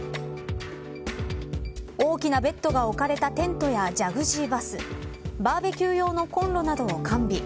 大きなベッドが置かれたテントやジャグジーバスバーベキュー用のコンロなどを完備。